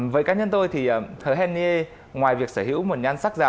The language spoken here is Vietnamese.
với cá nhân tôi thì hồ hèn nghê ngoài việc sở hữu một nhan sắc già